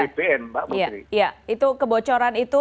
tapi cara menetapkan kebocoran itu